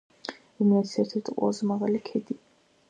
რუმინეთის ერთ-ერთი ყველაზე მაღალი ქედი.